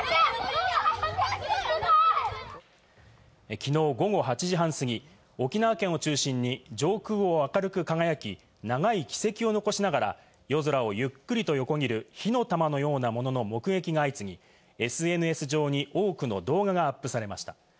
昨日午後８時半過ぎ、沖縄県を中心に上空を明るく輝き、長い軌跡を残しながら、夜空をゆっくりと横切る火の玉のようなものの目撃が相次い、ＳＮＳ上に多くの動画がアップされました。